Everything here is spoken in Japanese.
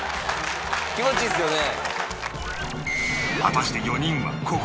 気持ちいいっすよね。